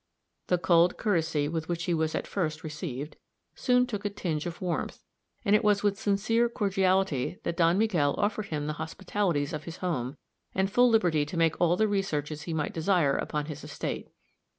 The cold courtesy with which he was at first received, soon took a tinge of warmth, and it was with sincere cordiality that Don Miguel offered him the hospitalities of his home, and full liberty to make all the researches he might desire upon his estate.